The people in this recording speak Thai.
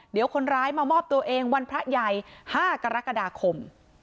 เดี๋ยวคนร้ายมามอบตัวเองวันพระใหญ่๕กรกฎาคม